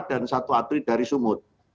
dan satu atlet dari sumut